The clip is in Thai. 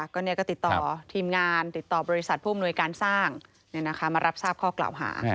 ก็ติดต่อทีมงานติดต่อบริษัทผู้อำนวยการสร้างมารับทราบข้อกล่าวหา